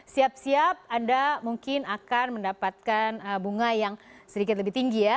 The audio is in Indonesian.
siap siap anda mungkin akan mendapatkan bunga yang sedikit lebih tinggi ya